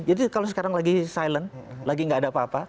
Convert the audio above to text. jadi kalau sekarang lagi silent lagi nggak ada apa apa